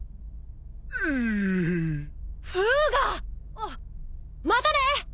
あっまたね！